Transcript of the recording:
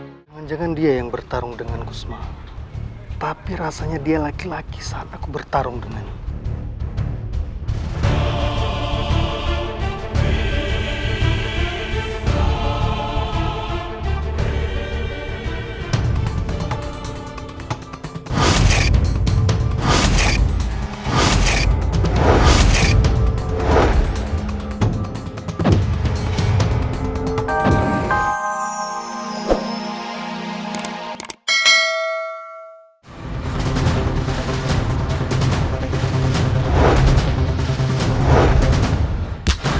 jangan jangan dia yang bertarung dengan kusma tapi rasanya dia laki laki saat aku bertarung dengan dia